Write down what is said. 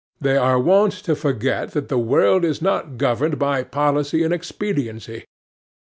They are wont to forget that the world is not governed by policy and expediency.